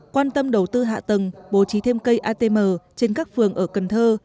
quan tâm đầu tư hạ tầng bố trí thêm cây atm trên các phường ở cần thơ